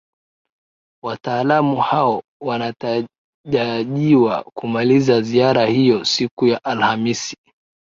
wataalamu hao wanatajajiwa kumaliza ziara hiyo siku ya alhamisi